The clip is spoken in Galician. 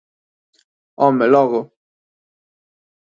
Home, logo!